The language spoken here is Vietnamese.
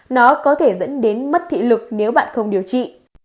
nó có thể dẫn đến mất thị lực nếu bạn không điều trị